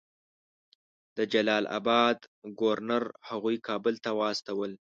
د جلال آباد ګورنر هغوی کابل ته واستول.